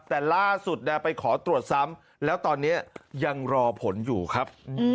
แต่ล่าสุดไปขอตรวจซ้ำแล้วตอนนี้ยังรอผลอยู่ครับ